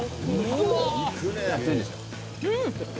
うん。